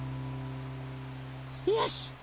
よし！